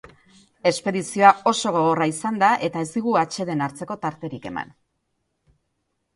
Espedizioa oso gogorra izan da eta ez digu atsedena hartzeko tarterik eman.